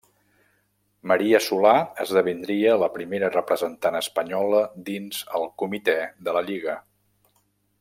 Maria Solà esdevindria la primera representant espanyola dins el comitè de la Lliga.